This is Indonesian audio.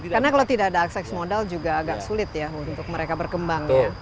karena kalau tidak ada akses modal juga agak sulit ya untuk mereka berkembang